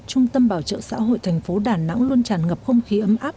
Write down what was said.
trung tâm bảo trợ xã hội thành phố đà nẵng luôn tràn ngập không khí ấm áp